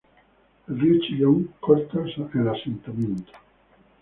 El río Chillón corta el asentamiento.